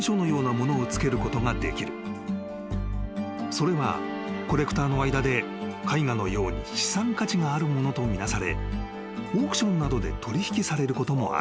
［それはコレクターの間で絵画のように資産価値があるものと見なされオークションなどで取引されることもある］